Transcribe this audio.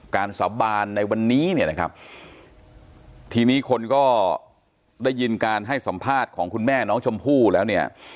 สาบานในวันนี้เนี่ยนะครับทีนี้คนก็ได้ยินการให้สัมภาษณ์ของคุณแม่น้องชมพู่แล้วเนี่ย